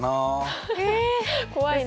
怖いな。